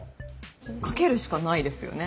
かけるしかないですよね